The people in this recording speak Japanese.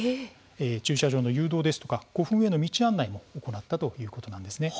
駐車場の誘導や古墳への道案内も行ったということです。